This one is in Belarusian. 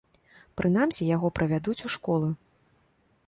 Прынамсі, яго правядуць у школы.